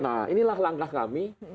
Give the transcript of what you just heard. nah inilah langkah kami